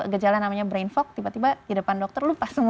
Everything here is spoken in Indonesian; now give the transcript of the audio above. gajalah namanya brain fog tiba tiba di depan dokter lupa semua